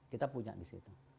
kita punya disitu